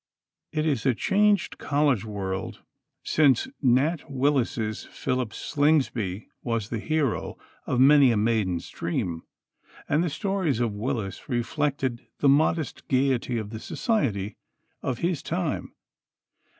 It is a changed college world since Nat. Willis's Philip Slingsby was the hero of many a maiden's dream, and the stories of Willis reflected the modest gayety of the society of his time.